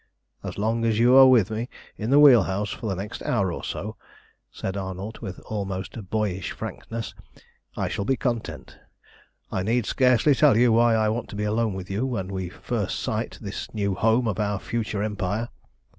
"As long as you are with me in the wheel house for the next hour or so," said Arnold, with almost boyish frankness, "I shall be content. I need scarcely tell you why I want to be alone with you when we first sight this new home of our future empire."